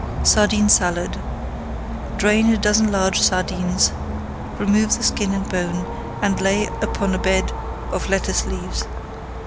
SARDINE SALAD Drain a dozen large sardines, remove the skin and bone, and lay upon a bed of lettuce leaves.